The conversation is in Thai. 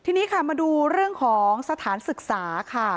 ทีนี้ค่ะมาดูเรื่องของสถานศึกษาค่ะ